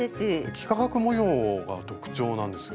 幾何学模様が特徴なんですよね。